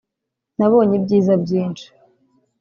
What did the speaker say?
nabonye ibyiza byinshi